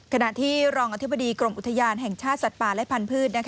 ขณะที่รองอธิบดีกรมอุทยานแห่งชาติสัตว์ป่าและพันธุ์